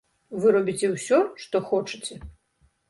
Вы робіце ўсё, што хочаце?